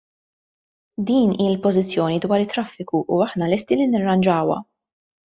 Din hi l-pożizzjoni dwar it-traffiku u aħna lesti li nirranġawha.